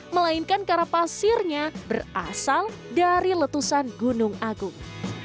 melainkan karena pasirnya berasal dari letusan gunung agung